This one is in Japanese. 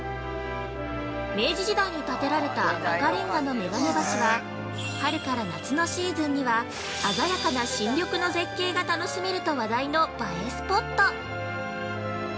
明治時代に建てられた、赤れんがのめがね橋は、春から夏のシーズンには、鮮やかな新緑の絶景が楽しめると話題の映えスポット。